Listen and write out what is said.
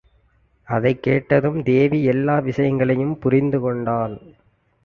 அதைக் கேட்டதும் தேவி எல்லா விஷயங்களையும் புரிந்துகொண்டாள்.